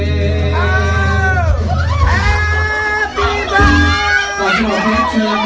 เทสปีให้ให้ช่วย